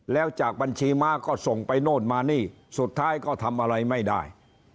แล้วจากบัญชีม้าก็ส่งไปโน่นมานี่สุดท้ายก็ทำอะไรไม่ได้